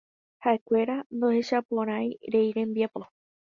Ha'ekuéra ndohechaporãi rey rembiapo.